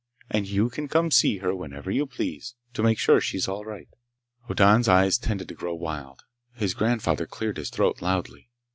And you can come to see her whenever you please, to make sure she's all right!" Hoddan's eyes tended to grow wild. His grandfather cleared his throat loudly.